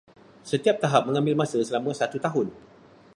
Setiap tahap mengambil masa selama satu tahun.